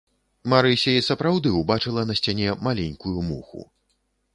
Марыся і сапраўды ўбачыла на сцяне маленькую муху.